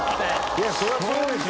そりゃそうでしょ！